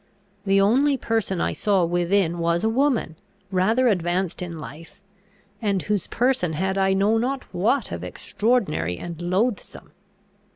The only person I saw within was a woman, rather advanced in life, and whose person had I know not what of extraordinary and loathsome.